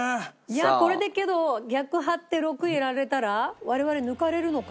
いやこれでけど逆張って６入れられたら我々抜かれるのか。